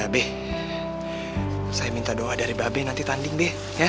be saya minta doa dari mba be nanti tanding be